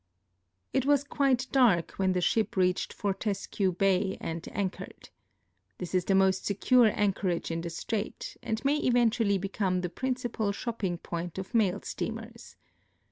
It was quite dark when the ship reached Fortescue ba}'' and anchored. This is the most secure anchorage in the strait, and may eventually become the,, principal stopping point of mail steamers.